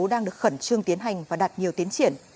đang được khẩn trương tiến hành và đạt nhiều tiến triển